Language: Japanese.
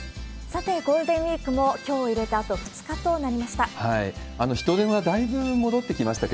さて、ゴールデンウィークもきょうを入れてあと２日となりました。